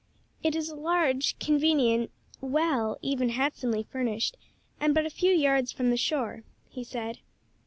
"It is large, convenient, well even handsomely furnished and but a few yards from the shore," he said.